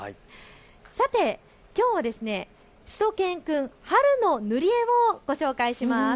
さて、きょうはしゅと犬くん春のぬりえをご紹介します。